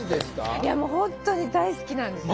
いやもう本当に大好きなんですよ。